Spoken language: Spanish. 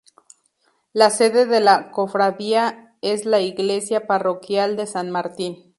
La sede de la cofradía es la Iglesia parroquial de San Martín.